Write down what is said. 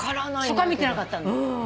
そこは見てなかったんだ。